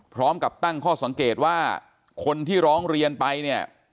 พร้อมกับตั้งข้อสังเกตว่าคนที่ร้องเรียนไปเนี่ย